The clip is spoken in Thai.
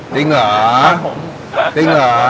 จริงเหรอผม